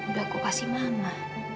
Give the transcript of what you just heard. udah aku kasih mama